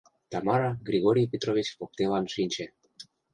— Тамара Григорий Петрович воктелан шинче.